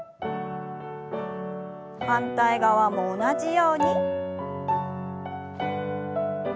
反対側も同じように。